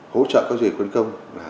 hỗ trợ các doanh nghiệp khuấn công